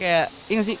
iya gak sih